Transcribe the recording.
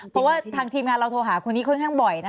เพราะว่าทางทีมงานเราโทรหาคนนี้ค่อนข้างบ่อย